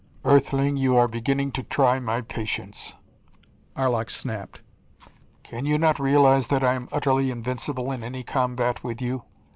"Earthling, you are beginning to try my patience," Arlok snapped. "Can you not realize that I am utterly invincible in any combat with you?